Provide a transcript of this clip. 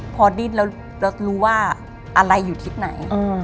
พอดิ้นแล้วรู้ว่าอะไรอยู่ทิศไหน